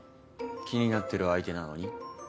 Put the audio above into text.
気になってる相手なのに？